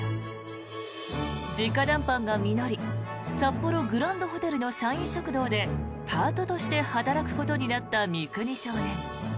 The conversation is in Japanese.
直談判が実り札幌グランドホテルの社員食堂でパートとして働くことになった三國少年。